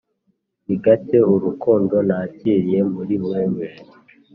ni gake urukundo nakiriye muri wewe,